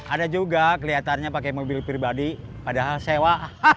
ada juga kelihatannya pakai mobil pribadi padahal sewa